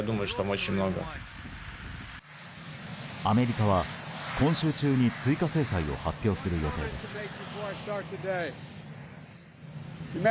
アメリカは今週中に追加制裁を発表する予定です。